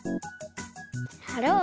はろう！